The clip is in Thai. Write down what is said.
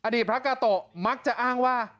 พระกาโตะมักจะอ้างว่า